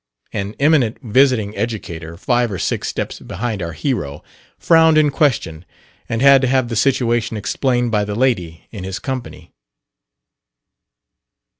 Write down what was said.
An eminent visiting educator, five or six steps behind our hero, frowned in question and had to have the situation explained by the lady in his company.